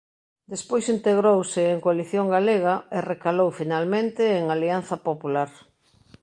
Despois integrouse en Coalición Galega e recalou finalmente en Alianza Popular.